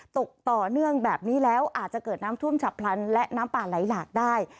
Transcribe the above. ตกต่อเนื่องแบบนี้แล้วอาจจะเกิดน้ำท่วมฉับพลันและน้ำป่าไหลหลากได้